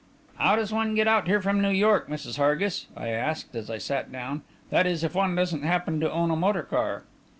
"How does one get out here from New York, Mrs. Hargis?" I asked, as I sat down. "That is, if one doesn't happen to own a motor car?"